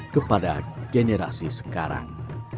kepada generasi sekarang